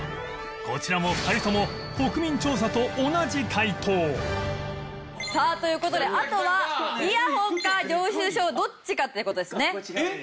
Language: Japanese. こちらも２人とも国民調査と同じ解答さあという事であとはイヤホンか領収書どっちかっていう事ですね。